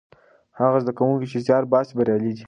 هغه زده کوونکي چې زیار باسي بریالي دي.